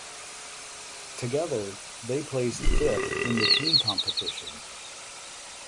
Together they placed fifth in the team competition.